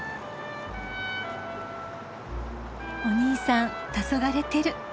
おにいさんたそがれてる。